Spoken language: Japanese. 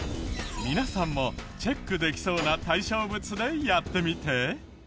皆さんもチェックできそうな対象物でやってみて！